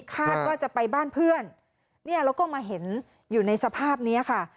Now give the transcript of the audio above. คาดว่าจะไปบ้านเพื่อนเนี่ยแล้วก็มาเห็นอยู่ในสภาพนี้ค่ะ